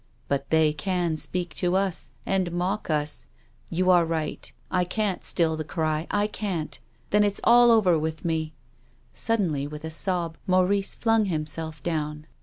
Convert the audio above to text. " But they can speak to us and mock us. You are right. I can't still the cry — I can't ! Then it's all over with me !" Suddenly, with a sob, Maurice flung himself down.